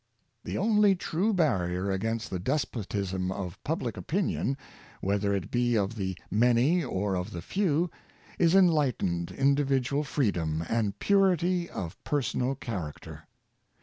The only true barrier against the despotism of pub lic opinion, whether it be of the many or of the few, is enlightened individual freedom and purity of personal character.